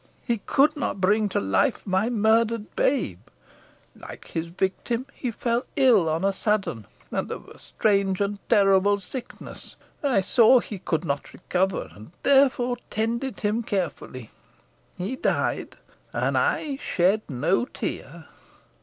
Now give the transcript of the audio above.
He could not bring to life my murdered babe. Like his victim, he fell ill on a sudden, and of a strange and terrible sickness. I saw he could not recover, and therefore tended him carefully. He died; and I shed no tear."